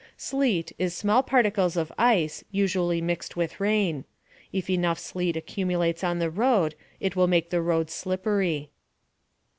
Sleet is small particles of ice, usually mixed with rain. If enough sleet accumulates on the ground, it will make the roads slippery.